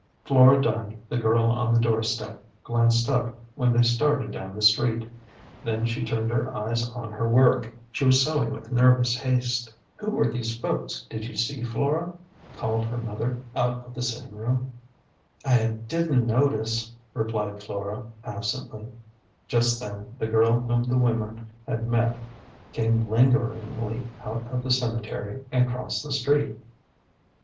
Flora Dunn, the girl on the door step, glanced up when they started down the street ; then she turned her eyes on her work ; she was sewing with nervous haste. " Who were those folks, did you see, Flora ?" called her mother, out of the sitting room. A GENTLE GHOST. 241 " I didn't notice," replied Flora, absently. Just then the girl whom the women had met came lin geringly out of the cemetery and crossed the street.